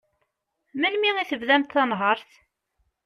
Melmi i tebdamt tanhert?